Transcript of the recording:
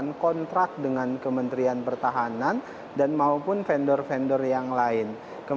melakukan kontrak dengan kementerian pertahanan dan maupun vendor vendor yang lain